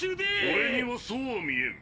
俺にはそうは見えん。